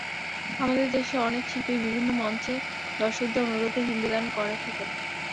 আমাদের দেশের অনেক শিল্পী বিভিন্ন মঞ্চে দর্শকদের অনুরোধে হিন্দি গান করে থাকেন।